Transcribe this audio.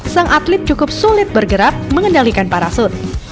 sang atlet cukup sulit bergerak mengendalikan parasut